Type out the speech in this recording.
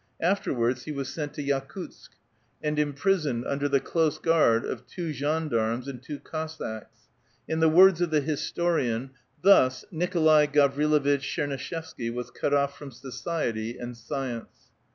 Afterwards he was sent to Yakutsk, and imprisoned under the close guard of two gens d^armes and two Cossacks. In the words of the historian, *' Thus Nikolai Gavrilovitch Tchernuishevsky was cut off from society and science."